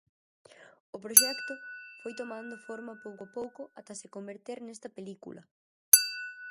O proxecto foi tomando forma pouco a pouco ata se converter nesta película.